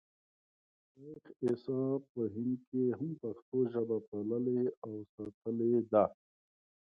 شېخ عیسي په هند کښي هم پښتو ژبه پاللـې او ساتلې ده.